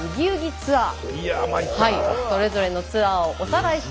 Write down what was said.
ツアーそれぞれのツアーをおさらいしていきます。